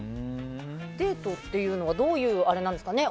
デートというのがどういうあれなんですかね。